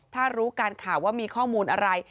ถ้ารู้การข่าวว่ามีข้อมูลอะไร